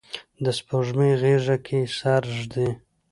د سپوږمۍ غیږه کې سر ږدي